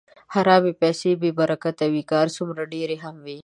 حرامې پیسې بېبرکته وي، که هر څومره ډېرې هم وي.